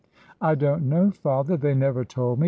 "I don't know, father; they never told me.